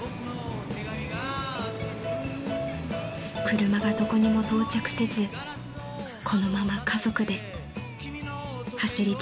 ［車がどこにも到着せずこのまま家族で走り続けられたら］